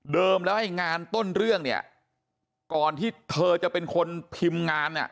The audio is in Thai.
แล้วไอ้งานต้นเรื่องเนี่ยก่อนที่เธอจะเป็นคนพิมพ์งานอ่ะ